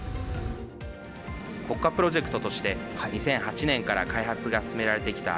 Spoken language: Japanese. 国家プロジェクトとして２００８年から開発が進められてきたＣ９１９。